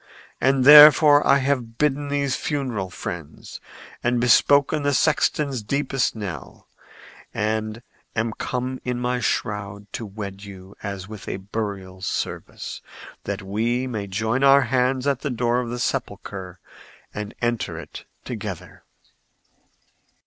And therefore I have bidden these funeral friends, and bespoken the sexton's deepest knell, and am come in my shroud to wed you as with a burial service, that we may join our hands at the door of the sepulchre and enter it together."